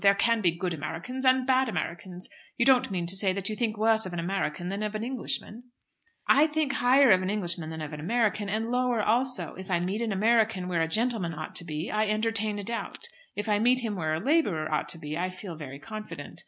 "There can be good Americans and bad Americans. You don't mean to say that you think worse of an American than of an Englishman." "I think higher of an Englishman than of an American, and lower also. If I meet an American where a gentleman ought to be, I entertain a doubt; if I meet him where a labourer ought to be, I feel very confident.